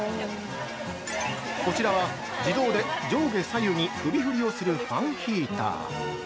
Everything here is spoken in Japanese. ◆こちらは、自動で上下左右に首振りをするファンヒーター。